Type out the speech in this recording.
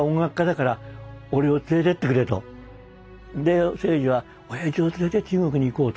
で征爾は親父を連れて中国に行こうと。